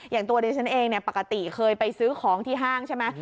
อย่างตัวดิฉันเองปกติเคยไปซื้อของที่ห้างใช่ไหม